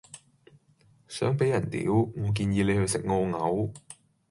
想俾人屌，我建議你去食澳牛